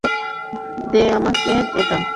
দে আমাকে এটা।